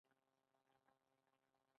د انس رضی الله عنه نه روايت دی: